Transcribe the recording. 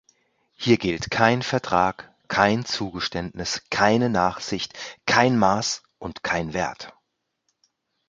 Hier gilt kein Vertrag, kein Zugeständnis, keine Nachsicht, kein Maß und kein Wert.